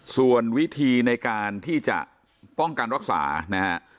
ส่วนวิธีในการที่จะป้องกันรักษานะฮะ